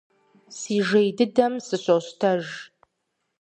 Си жей дыдэми сыщощтэж.